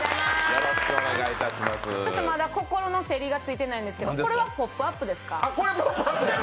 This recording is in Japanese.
まだ心の整理がついてないんですけどこめは「ポップＵＰ！」ですか？